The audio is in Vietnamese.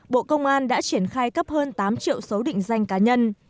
bộ công an đã triển khai cấp hơn tám triệu số định danh cá nhân